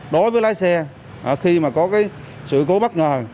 đối với lái xe khi mà có sự cố bất ngờ